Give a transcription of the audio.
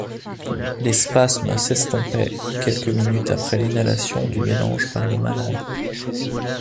Les spasmes s'estompaient quelques minutes après inhalation du mélange par le malade.